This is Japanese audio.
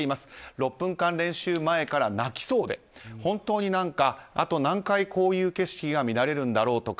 ６分間練習前から泣きそうで本当に何か、あと何回こういう景色が見られるんだろうとか